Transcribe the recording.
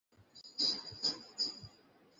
তার চেয়েও গভীর বিষয়।